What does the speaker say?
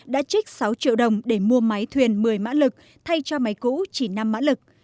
đã trích sáu triệu đồng để mua máy thuyền một mươi mã lực thay cho máy cũ chỉ năm mã lực